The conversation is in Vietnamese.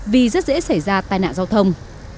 vì rất dễ xảy ra tai nạn giao thông